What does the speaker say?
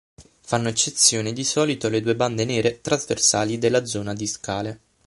Fanno eccezione di solito le due bande nere trasversali della zona discale.